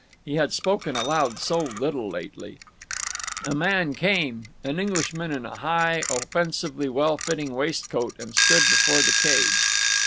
He had spoken aloud so little lately. A man came, an Englishman in a high offensively well fitting waistcoat, and stood before the cage.